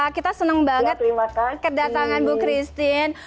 kita senang banget kedatangan bu christine